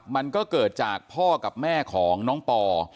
มันก็เกิดจากพ่อกับแม่ของน้องปอ